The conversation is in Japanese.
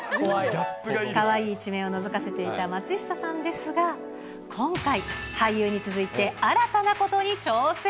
かわいい一面をのぞかせていた松下さんですが、今回、俳優に続いて新たなことに挑戦。